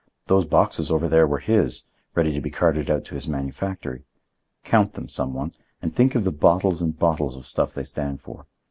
Those boxes over there were his, ready to be carted out to his manufactory. Count them, some one, and think of the bottles and bottles of stuff they stand for.